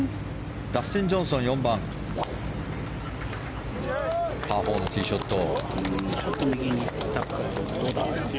ダスティン・ジョンソン４番パー４のティーショット。